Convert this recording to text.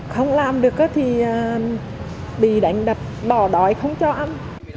không làm được thì bị đánh đập bỏ đói không cho ăn